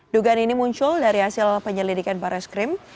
dugaan ini muncul dari hasil penyelidikan barreskrim